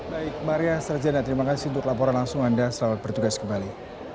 baik maria sarjana terima kasih untuk laporan langsung anda selamat bertugas kembali